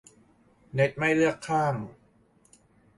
เน็ตไม่เลือกข้าง